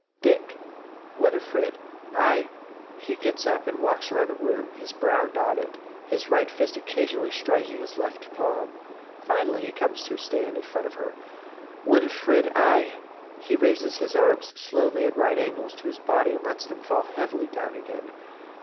Dick. Winifred, I _(He gets up and walks round the room, his brow knotted, his right fist occasionally striking his left palm. Finally, he comes to a stand in front of her.)_ Winifred, I _(He raises his arms slowly at right angles to his body and lets them fall heavily down again.)